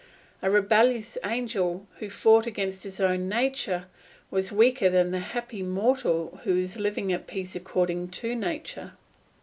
The rebellious angel who fought against his own nature was weaker than the happy mortal who is living at peace according to nature.